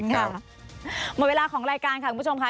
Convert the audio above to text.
หมดเวลาของรายการค่ะคุณผู้ชมค่ะ